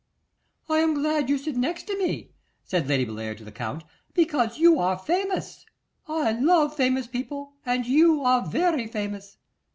'I am glad you sit next to me,' said Lady Bellair to the Count, 'because you are famous. I love famous people, and you are very famous.